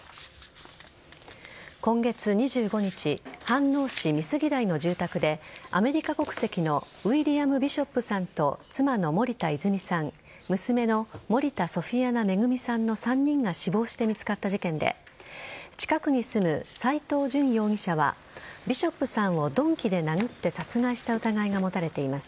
今月２５日飯能市美杉台の住宅でアメリカ国籍のウィリアム・ビショップさんと妻の森田泉さん娘の森田ソフィアナ恵さんの３人が死亡して見つかった事件で近くに住む斎藤淳容疑者はビショップさんを鈍器で殴って殺害した疑いが持たれています。